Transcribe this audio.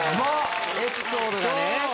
・エピソードがね・